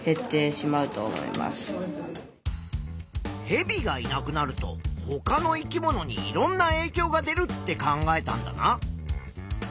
ヘビがいなくなるとほかの生き物にいろんなえいきょうが出るって考えたんだな。